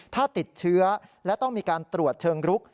ถ้าติดเชื้อและต้องมีการตรวจเชิงรุก